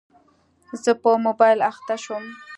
زه په موبایل اخته شوم.